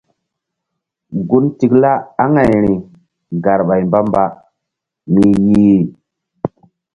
Gun tikla aŋayri garɓay mbamba mi yih.